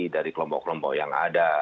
dari kelompok kelompok yang ada